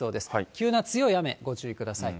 急な強い雨、ご注意ください。